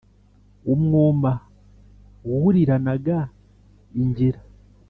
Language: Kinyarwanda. Umwuma wuriranaga ingira